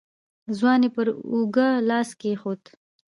ځوان يې پر اوږه لاس کېښود.